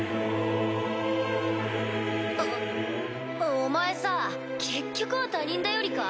お前さぁ結局は他人頼りか？